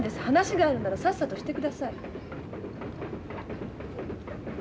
話があるならさっさとしてください。